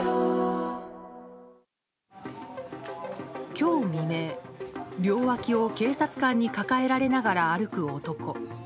今日未明、両わきを警察官に抱えられながら歩く男。